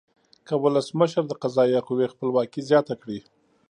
که ولسمشر د قضایه قوې خپلواکي زیانه کړي.